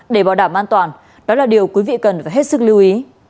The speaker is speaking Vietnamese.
để bảo đảm an toàn đó là điều quý vị cần phải hết sức lưu ý